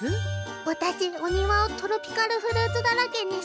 私お庭をトロピカルフルーツだらけにしたいの。